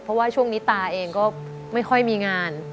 เพราะว่าช่วงนี้ตาเองก็ไม่ค่อยมีงาน